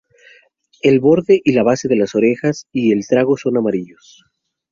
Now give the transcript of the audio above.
El borde y la base de las orejas y el trago son amarillos.